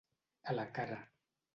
A la cara.